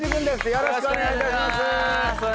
よろしくお願いします。